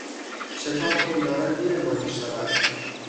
شتاب کن دارد دیرمان میشود!